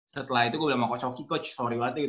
setelah itu gue bilang sama coach oki coach sorry banget gitu